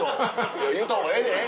言うた方がええで。